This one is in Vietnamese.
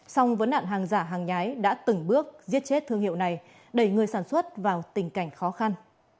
song vấn nạn hàng giả hàng nhái đã từng bước giết chết thương hiệu này đẩy người sản xuất vào tình cảnh khó khăn